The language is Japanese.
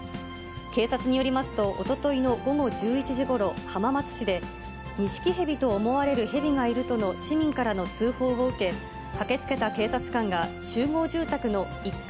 警察によりますと、おとといの午後１１時ごろ、浜松市で、ニシキヘビと思われるヘビがいるとの市民からの通報を受け、駆けつけた警察官が集合住宅の１階